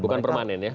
bukan permanen ya